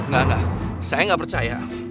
gak gak saya gak percaya